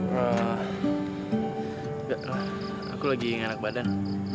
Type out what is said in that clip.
enggak aku lagi ngelak badan